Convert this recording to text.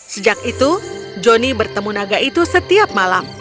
sejak itu joni bertemu naga itu setiap malam